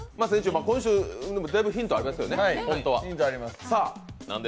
今週でもだいぶヒントはありますよね。